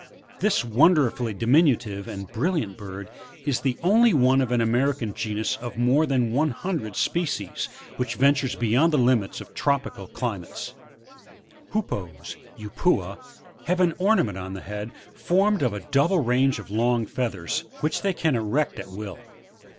This wonderfully diminutive and brilliant bird, is the only one of an American genus, of more than a hundred species, which ventures beyond the limits of tropical climates. 8. The HoopoeVf—Upupa, — have an ornament on the head formed of a double range of long feathers, which they can erect at will.